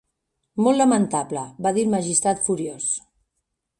"Molt lamentable", va dir el magistrat furiós.